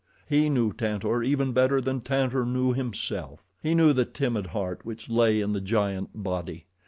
He knew Tantor even better than Tantor knew himself. He knew the timid heart which lay in the giant body.